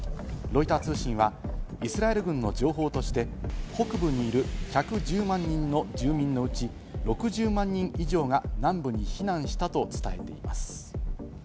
ロイター通信はイスラエル軍の情報として、北部にいる１１０万人の住民のうち６０万人以上が南部に避難したと伝えています。